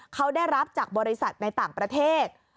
เขาได้รับจากบริษัทในต่างประเทศ